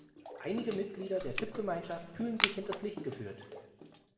Einige Mitglieder der Tippgemeinschaft fühlen sich hinters Licht geführt.